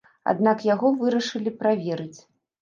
Аднак яго вырашылі праверыць.